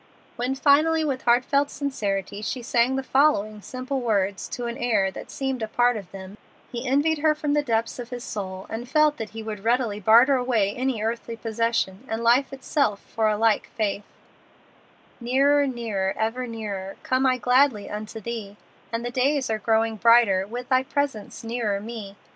'" When finally, with heartfelt sincerity, she sang the following simple words to an air that seemed a part of them, he envied her from the depths of his soul, and felt that he would readily barter away any earthly possession and life itself for a like faith: Nearer, nearer, ever nearer, Come I gladly unto Thee; And the days are growing brighter With Thy presence nearer me.